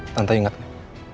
tante ingat gak